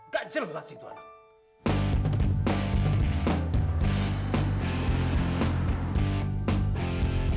gajer banget sih itu anak